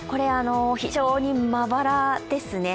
非常にまばらですね。